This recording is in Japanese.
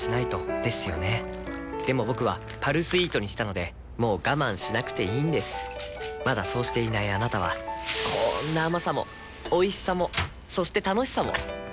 僕は「パルスイート」にしたのでもう我慢しなくていいんですまだそうしていないあなたはこんな甘さもおいしさもそして楽しさもあちっ。